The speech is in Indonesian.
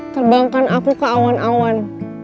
terbangkan aku ke awan awan